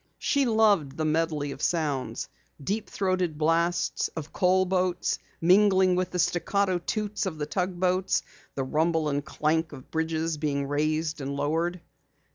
She loved the medley of sounds, deep throated blasts of coal boats mingling with the staccato toots of the tugboats, the rumble and clank of bridges being raised and lowered.